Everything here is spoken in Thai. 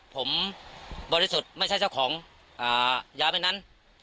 ผมบริสุทธิ์ไม่ใช่เจ้าของยาใบนั้น